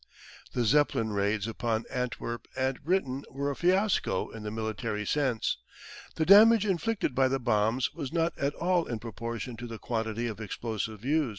The Zeppelin raids upon Antwerp and Britain were a fiasco in the military sense. The damage inflicted by the bombs was not at all in proportion to the quantity of explosive used.